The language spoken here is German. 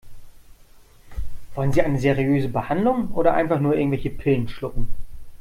Wollen Sie eine seriöse Behandlung oder einfach nur irgendwelche Pillen schlucken?